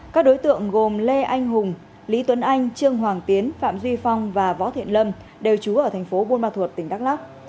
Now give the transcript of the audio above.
các đối tượng gồm lê anh hùng lý tuấn anh trương hoàng tiến phạm duy phong và võ thiện lâm đều trú ở thành phố buôn ma thuột tỉnh đắk lắc